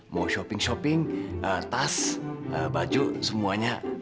mau shopping shopping tas baju semuanya